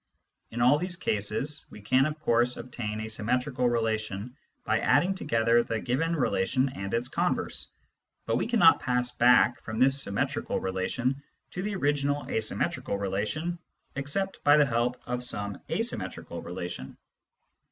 In all these cases, we can of course obtain a symmetrical relation by adding together the given relation and its converse, but we cannot pass back from this symmetrical relation to the original asymmetrical relation except by the help of some asymmetrical 44 Introduction to Mathematical Philosophy relation.